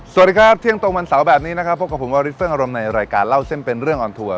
สวัสดีครับเที่ยงตรงวันเสาร์แบบนี้นะครับพบกับผมวาริสเฟิ่งอารมณ์ในรายการเล่าเส้นเป็นเรื่องออนทัวร์